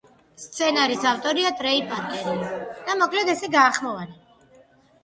სცენარის ავტორია ტრეი პარკერი.